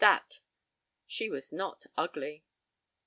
That! She was not ugly!